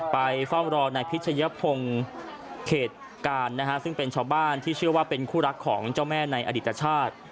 ไปเฝ้ารอในพิชยพงศ์เขตการนะฮะซึ่งเป็นชาวบ้านที่เชื่อว่าเป็นคู่รักของเจ้าแม่ในอดิตชาติ